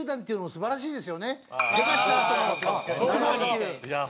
素晴らしいです。